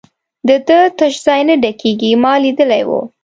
د ده تش ځای نه ډکېږي، ما لیدلی وو.